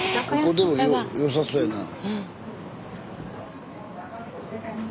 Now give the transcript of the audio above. ここでも良さそうやなあ。